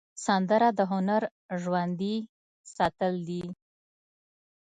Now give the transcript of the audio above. سندره د هنر ژوندي ساتل دي